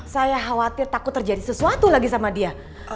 saya khawatir takut terjadi sesuatu lagi sama dia